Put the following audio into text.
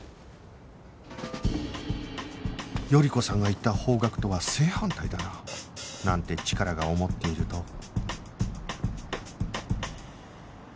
頼子さんが言った方角とは正反対だななんてチカラが思っていると